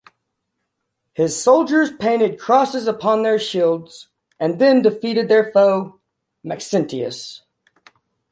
His soldiers painted crosses upon their shields, and then defeated their foe, Maxentius.